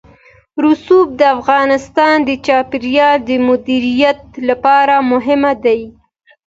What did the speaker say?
رسوب د افغانستان د چاپیریال د مدیریت لپاره مهم دي.